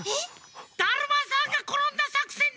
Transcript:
だるまさんがころんださくせんだよ！